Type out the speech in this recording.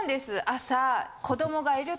朝。